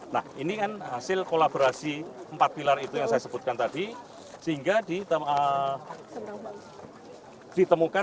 nah ini kan hasil kolaborasi empat pilar itu yang saya sebutkan tadi sehingga ditemukan